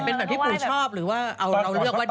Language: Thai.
เป็นแบบที่ปู่ชอบหรือว่าเราเลือกว่า